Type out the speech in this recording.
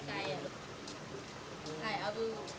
พวกเขาถ่ายมันตรงกลาง